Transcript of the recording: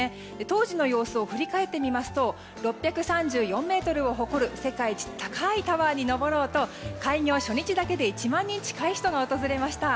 当時の様子を振り返りますと６３４ｍを誇る世界一高いタワーに登ろうと開業初日だけで１万人近い人が訪れました。